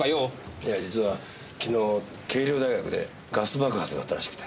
いや実は昨日恵稜大学でガス爆発があったらしくて。